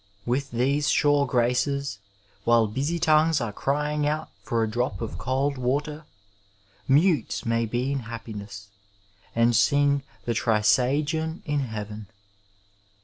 With these sure graces, whUe busy tongues are crying out for a drop of cold water, mutes lAay be in happiness, and sing the Trisagion in heaven.